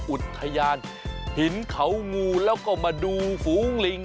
อุทยานหินเขางูแล้วก็มาดูฝูงลิง